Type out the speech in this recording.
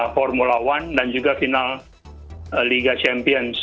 formula one dan juga final liga champions